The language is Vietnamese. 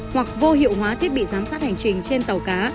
hoặc vô hiệu hóa thiết bị giám sát hành trình trên tàu cá